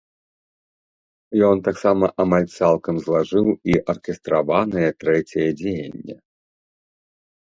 Ён таксама амаль цалкам злажыў і аркестраванае трэцяе дзеянне.